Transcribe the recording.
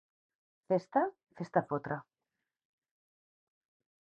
Festa?, fes-te fotre.